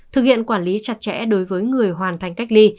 thực hiện quản lý chặt chẽ đối với người hoàn thành cách ly